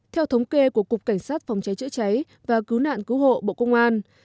theo thống kê của cục cảnh sát phòng cháy chữa cháy và cứu nạn cứu hộ bộ công an